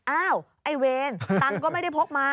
ไอ้เวรตังค์ก็ไม่ได้พกมา